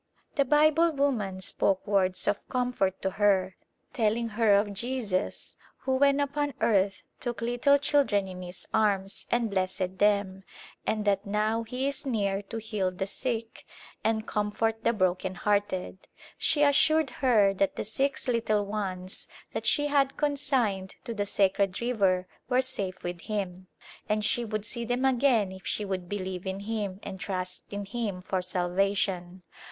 The Bible woman spoke words of comfort to her telling her of Jesus who when upon earth took little chil dren in His arms and blessed them, and that now He is near to heal the sick and comfort the broken hearted. She assured her that the six little ones that she had consigned to the " sacred river " were safe with Him, and she would see them again if she would believe in Him and trust in Him for salvation.